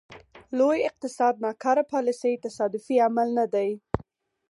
لوی اقتصاد ناکاره پالیسۍ تصادفي عمل نه دی.